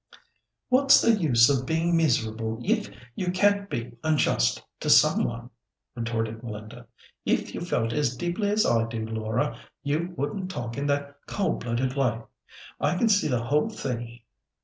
"What's the use of being miserable if you can't be unjust to some one?" retorted Linda. "If you felt as deeply as I do, Laura, you wouldn't talk in that cold blooded way. I can see the whole thing.